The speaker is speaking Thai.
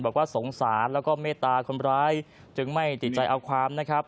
บอกว่าสงสารแล้วก็เมตตาคนร้ายจึงไม่ติดใจเอาความนะครับ